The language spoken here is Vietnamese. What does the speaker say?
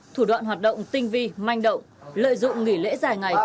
thủ đoạn hoạt động tinh vi manh động lợi dụng nghỉ lễ dài ngày